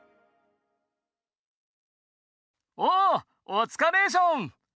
「おつかれーション！